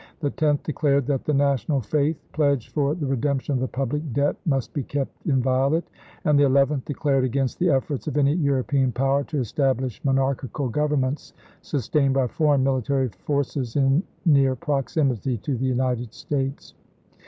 The tenth declared that the national faith pledged for the redemption of the public debt must be kept inviolate; and the eleventh declared against the efforts of any European power to establish mon archical governments sustained by foreign military forces in near proximity to the United States.